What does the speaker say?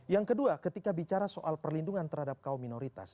yang kedua ketika bicara soal perlindungan terhadap kaum minoritas